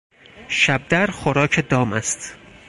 شبدر خوراک دام است.